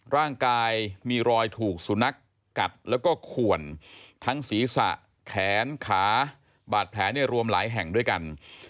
ร่างกายมีรอยถูกสุนัขกัดแล้วก็ขวนทั้งศีรษะแขนขาบาดแผลเนี่ยรวมหลายแห่งด้วยกัน